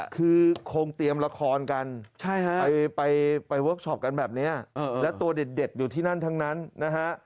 คือคงเตรียมละครกันไปเวิร์คชอปกันแบบนี้และตัวเด็ดอยู่ที่นั่นทั้งนั้นนะฮะ